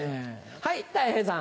はいたい平さん。